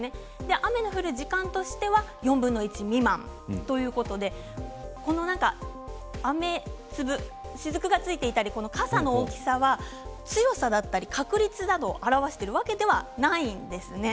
雨の降る時間としては４分の１未満ということで雨の粒、滴がついていたり傘の大きさは強さや確率などを表しているわけではないんですね。